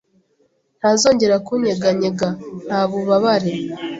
ntazongera kunyeganyega, nta bubabare